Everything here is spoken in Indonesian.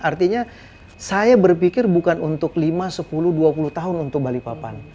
artinya saya berpikir bukan untuk lima sepuluh dua puluh tahun untuk balikpapan